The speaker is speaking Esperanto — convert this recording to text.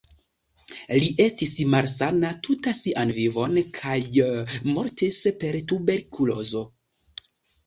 Li estis malsana tuta sian vivon kaj mortis per tuberkulozo.